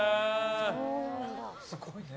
すごいね。